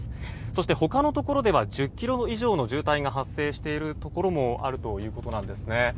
そして他のところでは１０ｋｍ以上の渋滞が発生しているところがあるということなんです。